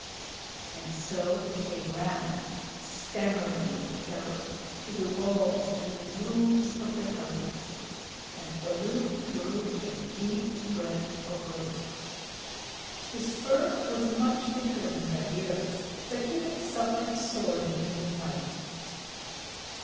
And so they ran, stammering with terror, to the walls and the roofs of the houses, and Baloo drew a deep breath of relief. His fur was much thicker than Bagheera's, but he had suffered sorely in the fight.